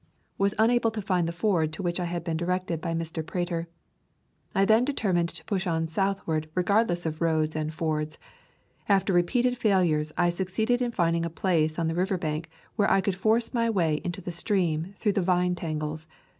Was unable to find the ford to which I had been directed by Mr. Prater. I then determined to push on southward regardless of roads and fords. After repeated failures I succeeded in finding a place on the river bank where I could force my way into the stream through the vine tangles.